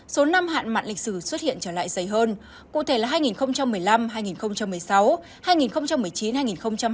số năm hạn mặn lịch sử xuất hiện trở lại dày hơn cụ thể là hai nghìn một mươi năm hai nghìn một mươi sáu hai nghìn một mươi chín hai nghìn hai mươi hai nghìn hai mươi ba hai nghìn hai mươi bốn